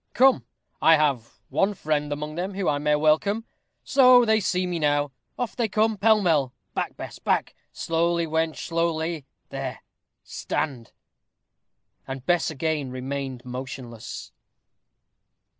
"Come, I have one friend among them whom I may welcome. So, they see me now. Off they come, pell mell. Back, Bess, back! slowly, wench, slowly there stand!" And Bess again remained motionless.